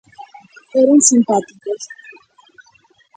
Eran simpáticos.